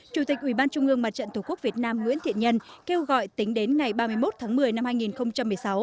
chủ tịch ubnd mặt trận tổ quốc việt nam nguyễn thiện nhân kêu gọi tính đến ngày ba mươi một tháng một mươi năm hai nghìn một mươi sáu